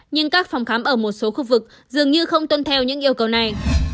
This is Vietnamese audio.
nhưng các phòng khám ở một số khu vực dường như không tuân theo những yêu cầu này